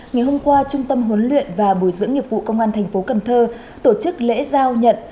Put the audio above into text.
ngày hôm qua trung tâm huấn luyện và bồi dưỡng nghiệp vụ công an tp cn tổ chức lễ giao nhận